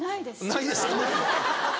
ないですか。